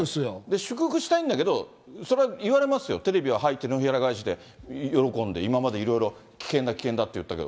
祝福したいんだけど、それは言われますよ、テレビははい、手のひら返しで喜んで、今までいろいろ、危険だ危険だって言ったけど。